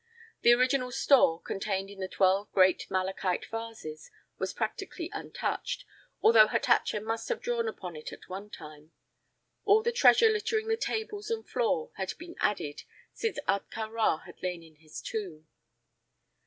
The original store, contained in the twelve great malachite vases, was practically untouched, although Hatatcha must have drawn upon it at one time. All the treasure littering the tables and floor had been added since Ahtka Rā had lain in his tomb.